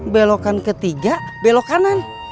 belokan ketiga belok kanan